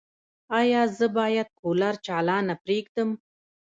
ایا زه باید کولر چالانه پریږدم؟